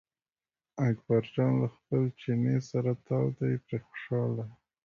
اکبر جان له خپل چیني سره تاو دی پرې خوشاله.